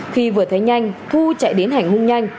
khi vừa thấy nhanh thu chạy đến hành hung nhanh